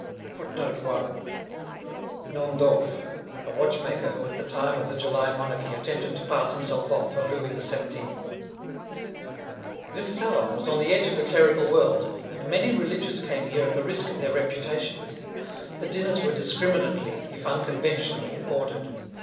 [Footnote 1: A watchmaker who at the time of the July monarchy attempted to pass himself off for Louis XVII.] This salon was on the edge of the clerical world, and many religious came here at the risk of their reputations. The dinners were discriminately, if unconventionally, ordered.